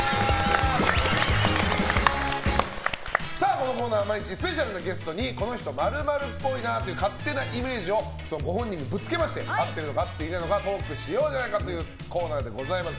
このコーナーは毎日スペシャルなゲストにこの人、○○っぽいなという勝手なイメージをご本人にぶつけまして合っているのか合っていないのかトークしようじゃないかというコーナーでございます。